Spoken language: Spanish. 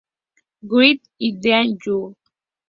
Wright, y Dean Young.